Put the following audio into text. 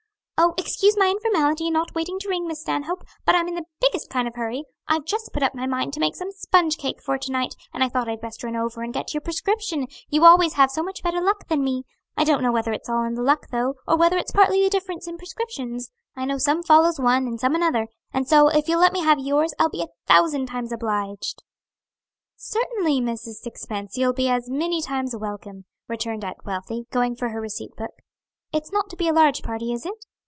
"Oh, excuse my informality in not waiting to ring, Miss Stanhope; but I'm in the biggest kind of a hurry. I've just put up my mind to make some sponge cake for to night, and I thought I'd best run over and get your prescription; you always have so much better luck than me. I don't know whether it's all in the luck though, or whether it's partly the difference in prescriptions I know some follows one, and some another and so, if you'll let me have yours, I'll be a thousand times obliged." "Certainly, Mrs. Sixpence, you'll be as many times welcome," returned Aunt Wealthy, going for her receipt book. "It's not to be a large party, is it?"